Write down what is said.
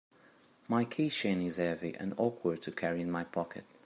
My keychain is heavy and awkward to carry in my pocket.